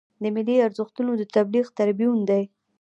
د ملي ارزښتونو د تبلیغ تربیون دی.